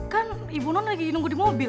kan ibu non lagi nunggu di mobil